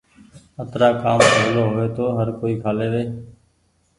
اترآ ڪآم سولو هووي تو هر ڪو ڪر ليوي۔